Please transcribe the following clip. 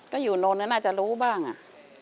ก็อยู่โน้นน่าจะรู้บ้างอ่ะ